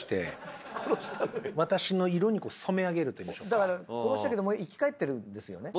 だから殺したけど生き返ってるんですよね？